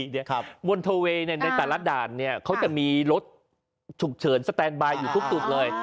บนโทเวย์ในแต่ละด่านเนี่ยเขาจะมีรถฉุกเฉินสแตนบายอยู่ทุกจุดเลย